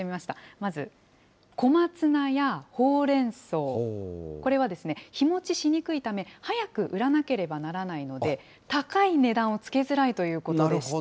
まず小松菜やほうれんそう、これは日持ちしにくいため、早く売らなければならないので、高い値段をつけづらいということでした。